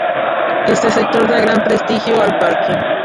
Este sector da gran prestigio al parque.